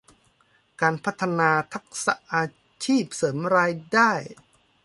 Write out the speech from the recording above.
การพัฒนาทักษะอาชีพเสริมรายได้